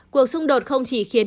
cuộc xung đột không chỉ khiến